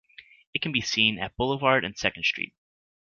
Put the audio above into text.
It can be seen at Boulevard and Second Street.